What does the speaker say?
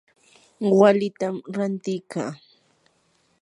walitam rantikaa.